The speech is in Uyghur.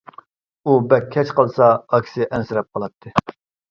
ئۇ بەك كەچ قالسا ئاكىسى ئەنسىرەپ قالاتتى.